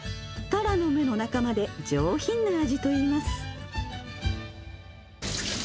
タラの芽の仲間で、上品な味といいます。